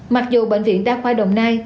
mặc dù bệnh viện đa khoai đồng nai